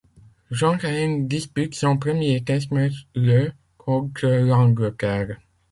John Ryan dispute son premier test match le contre l'Angleterre.